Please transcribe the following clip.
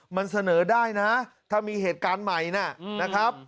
มันเสนอได้นะถ้ามีเหตุการณ์ใหม่นะครับ